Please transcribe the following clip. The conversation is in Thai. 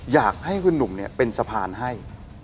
อยากให้คุณหนุ่มเป็นสะพานให้